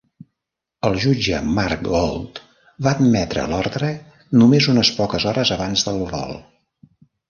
El jutge Marc Gold va admetre l"ordre només unes poques hores abans del vol.